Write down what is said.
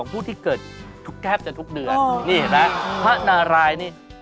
นี่เห็นไหมพระนารายณ์นี่